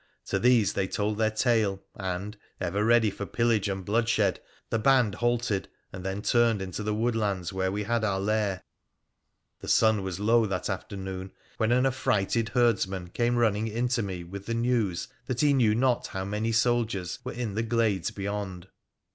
To these they told their tale, and, ever ready for pillage and bloodshed, the h 2 100 WONDERFUL ADVENTURES OP band halted, and then turned into the woodlands where we hail our lair. The sun was low that afternoon when an affrighted herds man came running in to me with the news that he knew not how many soldiers were in the glades beyond.